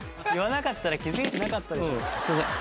言わなかったら気付いてなかったでしょ。